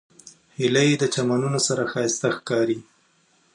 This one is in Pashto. هیلۍ د چمنونو سره ښایسته ښکاري